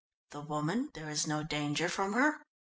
"The woman there is no danger from her?"